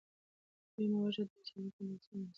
دویمه وجه دا چې الله تعالی د أسماء الحسنی،